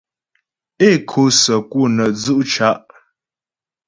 É kǒ səku nə́ dzʉ' ca'.